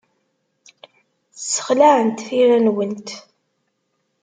Ssexlaɛent tira-nwent.